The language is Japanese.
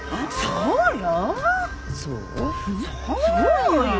そうよ。